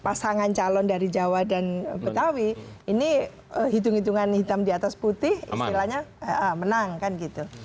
pasangan calon dari jawa dan betawi ini hitung hitungan hitam di atas putih istilahnya menang kan gitu